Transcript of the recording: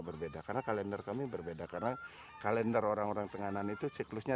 berbeda karena kalender kami berbeda karena kalender orang orang tenganan itu siklusnya